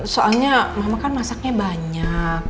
soalnya mama kan masaknya banyak